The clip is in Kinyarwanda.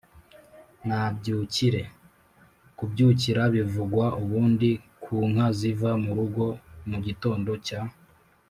Nabyukire: kubyukira bivugwa ubundi ku nka ziva mu rugo, mu gitondo cya